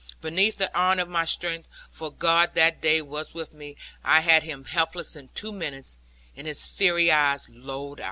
Beneath the iron of my strength for God that day was with me I had him helpless in two minutes, and his fiery eyes lolled out.